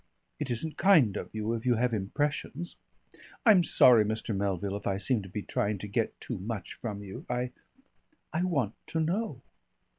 It isn't kind of you, if you have impressions I'm sorry, Mr. Melville, if I seem to be trying to get too much from you. I I want to know."